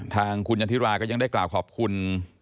ทางคุณยันทิราก็ยังได้กล่าวขอบคุณ